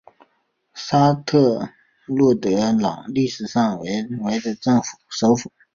沙泰洛德朗历史上为的首府。